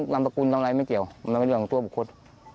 นามสกุลอะไรไม่เกี่ยวมันเป็นเรื่องของตัวบุคคล